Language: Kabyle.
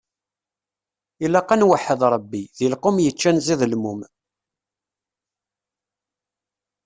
Ilaq ad nweḥḥed Ṛebbi, deg lqum yeččan ẓidelmum.